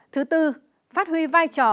thứ tư phát huy vai trò